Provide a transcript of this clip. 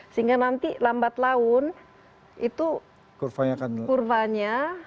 sehingga nanti lambat laun itu kurvanya